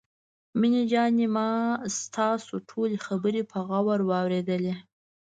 مينه جانې ما ستاسو ټولې خبرې په غور واورېدلې.